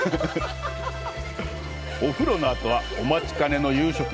お風呂のあとは、お待ちかねの夕食。